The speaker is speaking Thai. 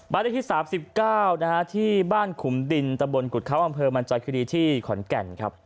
บ้านที่สามสิบเก้านะฮะที่บ้านขุมดินตะบลกุฎเค้าที่มันจอยคิวดีที่ขอนแก่นครับ